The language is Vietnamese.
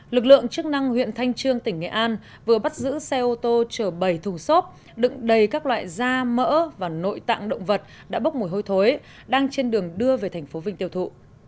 lực lượng chức năng huyện thanh trương tỉnh nghệ an vừa bắt giữ xe ô tô chở bảy thùng xốp đựng đầy các loại da mỡ và nội tạng động vật đã bốc mùi hôi thối đang trên đường đưa về tp vinh tiêu thụ